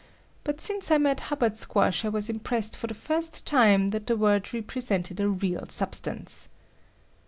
But since I met Hubbard Squash, I was impressed for the first time that the word represented a real substance.